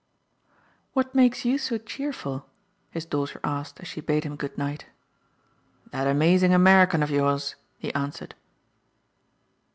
"What makes you so cheerful?" his daughter asked as she bade him goodnight. "That amazing American of yours," he answered.